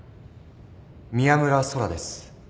宮村空です。